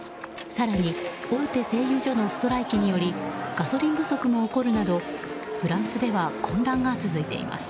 大手製油所のストライキによりガソリン不足も起きるなどフランスでは混乱が続いています。